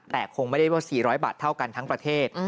แต่คงไม่ได้ว่า๔๐๐บาทเท่ากันทั้งประเทศ